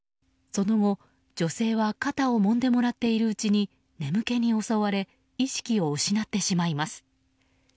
その後、女性は肩をもんでもらっているうちに眠気に襲われ意識を失ってしまいます。